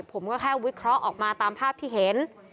ผมก็แค่วิเคราะห์ออกมาตามภาพที่เห็น